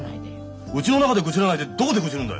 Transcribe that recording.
うちの中で愚痴らないでどこで愚痴るんだよ！？